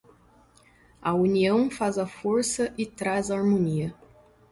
A união faz a força e traz harmonia.